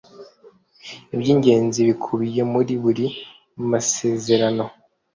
Iby’ingenzi bikubiye muri buri masezerano